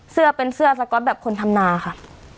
เสื้อเป็นเสื้อสก๊อตแบบคนทำนาค่ะ